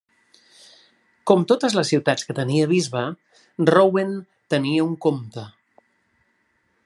Com totes les ciutats que tenia bisbe, Rouen tenia un comte.